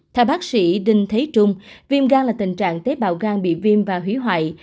theo bác sĩ đinh thế trung viêm gan là tình trạng tế bào gan bị viêm và hủy hoại